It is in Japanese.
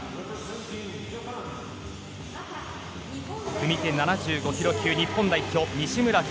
組手７５ｋｇ級日本代表、西村拳。